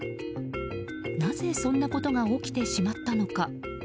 なぜそんなことが起きてしまったのか？